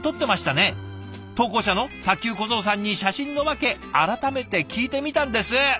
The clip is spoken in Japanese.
投稿者の卓球小僧さんに写真の訳改めて聞いてみたんです。